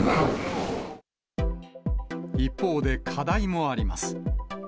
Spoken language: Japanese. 一方で課題もあります。